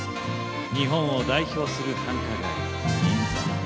日本を代表する繁華街・銀座。